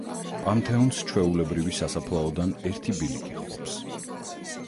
პანთეონს ჩვეულებრივი სასაფლაოდან ერთი ბილიკი ჰყოფს.